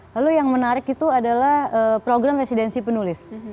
lalu yang menarik itu adalah program residensi penulis